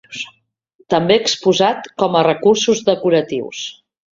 També exposat com a recursos decoratius.